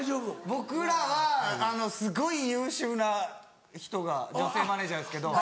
僕らはすごい優秀な人が女性マネジャーですけど。